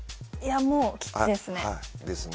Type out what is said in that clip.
もうきついですね。